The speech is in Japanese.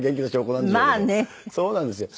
そうなんですよ。